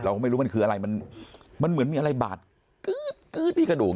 เรายังไม่รู้ว่ามันคืออะไรมันเหมือนมีอะไรบาดกึ๊ดกึ๊ดที่กระดูก